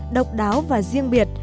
độc đáo và riêng biệt